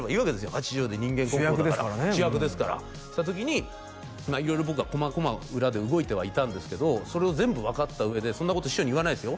８０で人間国宝だから主役ですからそうした時に色々僕がこまごま裏で動いてはいたんですけどそれを全部分かった上でそんなこと師匠に言わないですよ